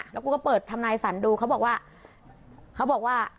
แล้วกูก็เปิดธรรมาน์ไอฝันดูเขาบอกว่า